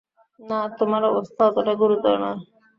না, তোমার অবস্থা অতোটা গুরুতর নয়।